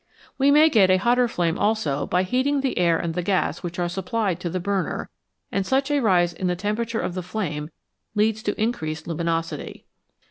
We may get a hotter flame also by heating the air and the gas which are supplied to the burner, and such a rise in the temperature of the flame leads to increased luminosity.